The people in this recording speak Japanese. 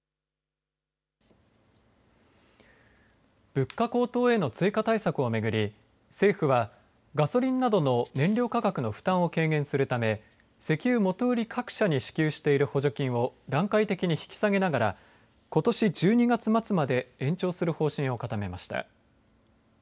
物価高騰への追加対策を巡り政府は、ガソリンなどの燃料価格の負担を軽減するため石油元売り各社に支給している補助金を段階的に引き下げながらことし１２月末まで延長する方針を固めました。